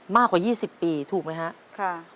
มากกว่า๒๐ปีถูกมั้ยคะ